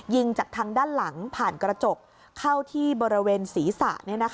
จากทางด้านหลังผ่านกระจกเข้าที่บริเวณศีรษะ